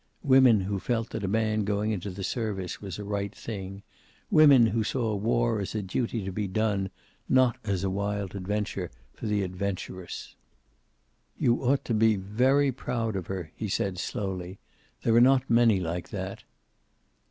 Women who felt that a man going into the service was a right thing. Women who saw war as a duty to be done, not a wild adventure for the adventurous. "You ought to be very proud of her," he said slowly. "There are not many like that."